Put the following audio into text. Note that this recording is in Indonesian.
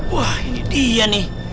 wah ini dia nih